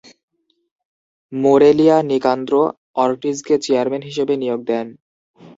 মোরেলিয়া নিকান্দ্রো অর্টিজকে chairman হিসেবে নিয়োগ দেন।